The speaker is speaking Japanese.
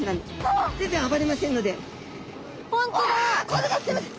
これはすいません！